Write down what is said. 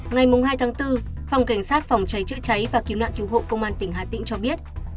ngày hai tháng bốn phòng cảnh sát phòng cháy chữa cháy và cứu nạn cứu hộ công an tỉnh hà tĩnh cho biết